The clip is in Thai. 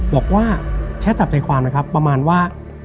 บอกว่าแค่จับใจความนะครับประมาณว่า